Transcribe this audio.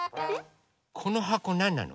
このはこなんなの？